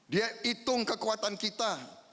dia hitung kekuatan kita